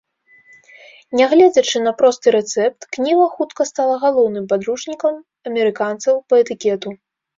Нягледзячы на просты рэцэпт, кніга хутка стала галоўным падручнікам амерыканцаў па этыкету.